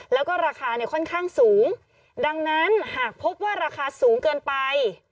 แล้วก็ราคาเนี่ยค่อนข้างสูงดังนั้นหากพบว่าราคาสูงเกินไป